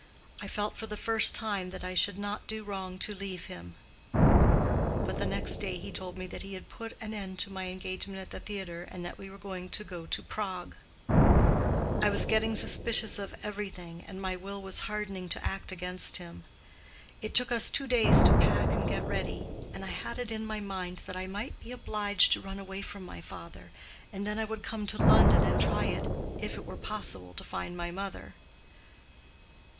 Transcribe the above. I felt for the first time that I should not do wrong to leave him. But the next day he told me that he had put an end to my engagement at the theatre, and that we were to go to Prague. I was getting suspicious of everything, and my will was hardening to act against him. It took us two days to pack and get ready; and I had it in my mind that I might be obliged to run away from my father, and then I would come to London and try if it were possible to find my mother.